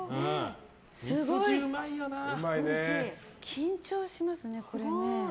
緊張しますね、これね。